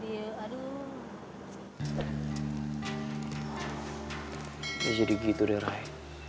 dia jadi begitu ray